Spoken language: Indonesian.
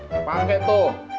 pak pake tuh